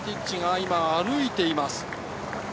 今、歩いています。